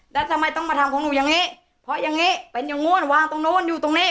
แล้วทำไมต้องมาทำของหนูอย่างนี้เพราะอย่างนี้เป็นอย่างนู้นวางตรงนู้นอยู่ตรงนี้